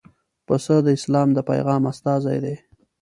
پسه د اسلام د پیغام استازی دی.